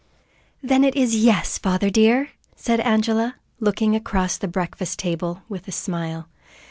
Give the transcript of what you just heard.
"Then it is 'yes,' father dear?" said Angela, looking across the breakfast table with a smile.